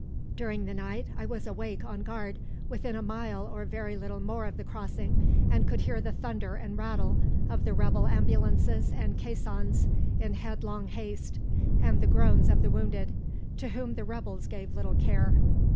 During the night, I was awake on guard within a mile or very little more of the crossing, and could hear the thunder and rattle of the rebel ambulances and caissons in headlong haste, and the groans of the wounded, to whom the rebels gave little care.